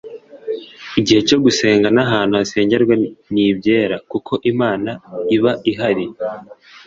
igihe cyo gusenga n'ahantu hasengerwa ni ibyera, kuko imana iba ihari